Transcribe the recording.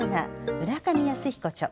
村上靖彦著。